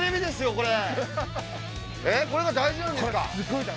これえっこれが大事なんですか？